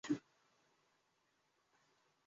从房里跑了出来